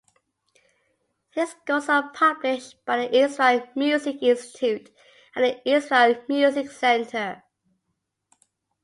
His scores are published by the Israel Music Institute and the Israel Music Center.